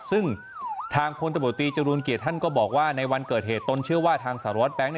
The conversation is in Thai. ซึ่งทางพลตำรวจตรีจรูลเกียรติท่านก็บอกว่าในวันเกิดเหตุตนเชื่อว่าทางสารวัตรแบงค์